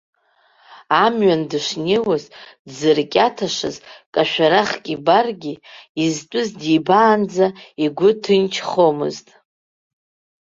Амҩан дышнеиуаз, дзыркьаҭашаз кашәарахк ибаргьы, изтәыз дибаанӡа игәы ҭынчхомызт.